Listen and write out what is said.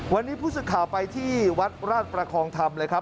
วันนี้ผู้สื่อข่าวไปที่วัดราชประคองธรรมเลยครับ